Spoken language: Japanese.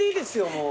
もう。